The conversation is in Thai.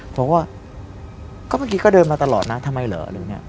ผมว่าก็เมื่อกี้ก็เดินมาตลอดนะทำไมเหรอ